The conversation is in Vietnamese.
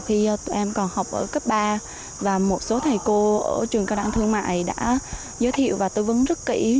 khi tụi em còn học ở cấp ba và một số thầy cô ở trường cao đẳng thương mại đã giới thiệu và tư vấn rất kỹ